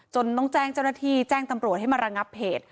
จนต้องแจ้งเจ้าหน้าที่แจ้งทำรวชให้มาละเกอบเพศ